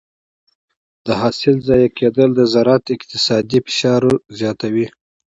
د حاصل ضایع کېدل د زراعت اقتصادي فشار زیاتوي.